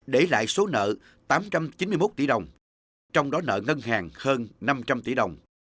để lại số nợ tám trăm chín mươi một tỷ đồng trong đó nợ ngân hàng hơn năm trăm linh tỷ đồng